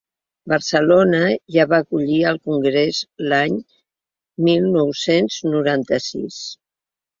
Barcelona ja va acollir el congrés l’any mil nou-cents noranta-sis.